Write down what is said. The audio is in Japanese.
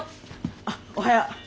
あっおはよ。